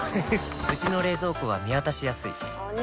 うちの冷蔵庫は見渡しやすいお兄！